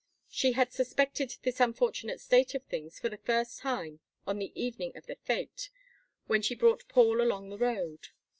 She had suspected this unfortunate state of things for the first time on the evening of the fête when she brought Paul along the road.